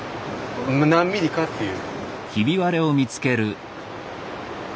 何ミリかっていう。